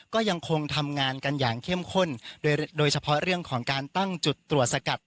ก็ยังคงทำงานกันอย่างเข้มข้นโดยเฉพาะเรื่องของการตั้งจุดตรวจสกัด